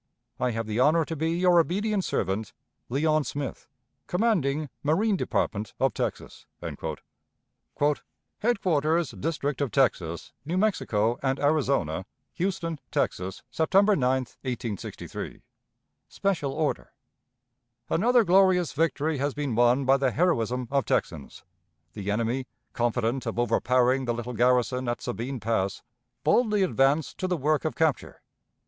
I have the honor to be your obedient servant, "LEON SMITH, "Commanding Marine Department of Texas." "HEADQUARTERS DISTRICT OF TEXAS, NEW MEXICO, AND ARIZONA, HOUSTON, TEXAS, September 9, 1863. "(SPECIAL ORDER.) "Another glorious victory has been won by the heroism of Texans. The enemy, confident of overpowering the little garrison at Sabine Pass, boldly advanced to the work of capture.